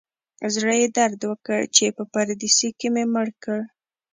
زړه یې درد وکړ چې په پردیسي کې مې مړ کړ.